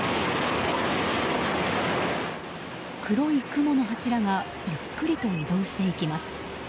黒い雲の柱がゆっくりと移動していきます。